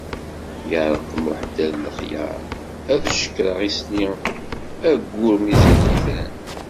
Yeṛqem uḥeddad lexyar, ad cekkreɣ isli ayyur mi zzin yetran.